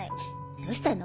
どうしたの？